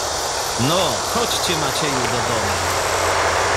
"No, chodźcie Macieju do domu."